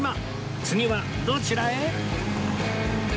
次はどちらへ？